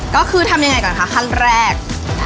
ก็คือทำยังไงก่อนคะขั้นแรก